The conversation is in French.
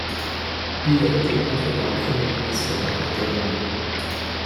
Il a été entretemps Premier ministre par intérim.